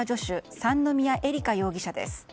三宮英里香容疑者です。